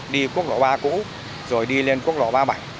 đi quốc lộ ba cũ rồi đi lên quốc lộ ba bảnh